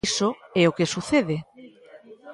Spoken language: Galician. Iso é o que sucede.